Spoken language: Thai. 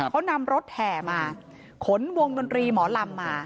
เขานำรถแห่มาขนวงดนตรีหมอลำมา